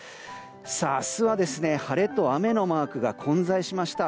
明日は、晴れと雨のマークが混在しました。